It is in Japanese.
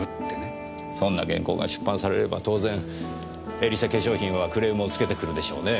そんな原稿が出版されれば当然エリセ化粧品はクレームをつけてくるでしょうねぇ。